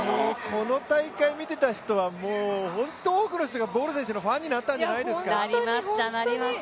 この大会を見ていた人は本当に多くの人がボル選手のファンになったんじゃないですかなりました、なりました。